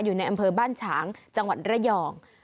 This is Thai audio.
อยู่ในอำเภอบ้านฉางจังหวัดระยอง